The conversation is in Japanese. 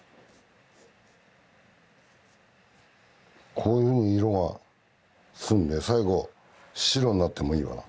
こういうふうに色がすんで最後白になってもいいわな。